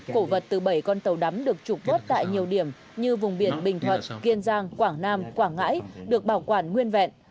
cổ vật từ bảy con tàu đắm được trục vớt tại nhiều điểm như vùng biển bình thuận kiên giang quảng nam quảng ngãi được bảo quản nguyên vẹn